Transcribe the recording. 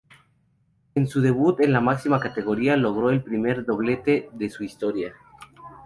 En su debut en la máxima categoría, logró el primer "doblete" de su historia.